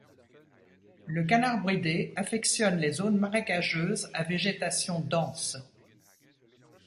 Le canard bridé affectionne les zones marécageuses à végétation dense.